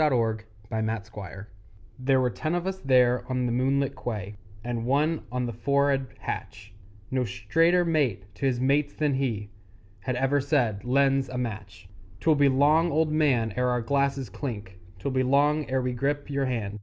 _ THE OUTSIDE TRACK There were ten of us there on the moonlit quay, And one on the for'ard hatch; No straighter mate to his mates than he Had ever said: 'Len's a match!' 'Twill be long, old man, ere our glasses clink, 'Twill be long ere we grip your hand!